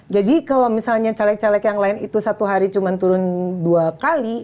jadi kalau misalnya caleg caleg yang lain itu satu hari cuma turun dua kali